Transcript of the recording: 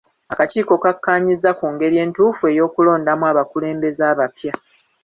Akakiiko kakaanyizza ku ngeri entuufu ey'okulondamu abakulembeze abapya.